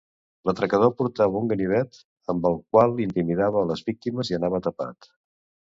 L'atracador portava un ganivet amb el qual intimidava a les víctimes i anava tapat.